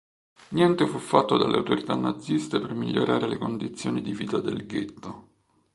Niente fu fatto dalle autorità naziste per migliorare le condizioni di vita del ghetto.